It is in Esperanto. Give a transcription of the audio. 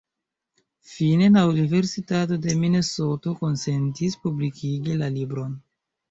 Fine, la Universitato de Minesoto konsentis publikigi la libron.